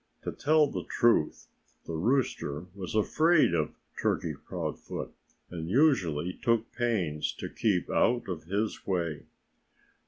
To tell the truth, the rooster was afraid of Turkey Proudfoot and usually took pains to keep out of his way.